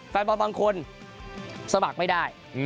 แฟนบอลบางคนสมัครไม่ได้